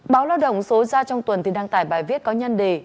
báo lao động số ra trong tuần thì đăng tải bài viết có nhân đề